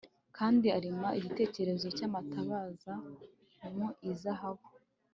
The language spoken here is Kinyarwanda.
kandi arema igitereko cy'amatabaza mu izahabu